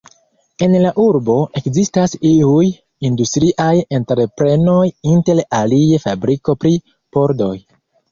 En la urbo ekzistas iuj industriaj entreprenoj, inter alie fabriko pri pordoj.